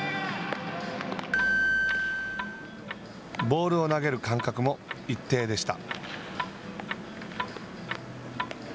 ボールを投げる間隔も一定でした。